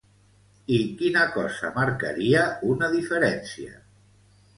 I quina cosa marcaria una diferència?